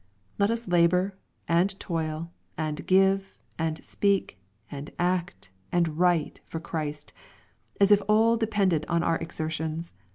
Let us labor, and toil, and give, and speak, and act, and write for Christ, as if all depended on our exertions.